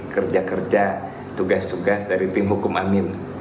kerja kerja tugas tugas dari tim hukum amin